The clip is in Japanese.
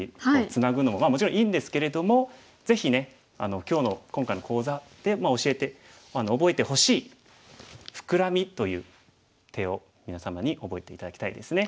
ツナぐのはもちろんいいんですけれどもぜひね今日の今回の講座で覚えてほしいフクラミという手を皆様に覚えて頂きたいですね。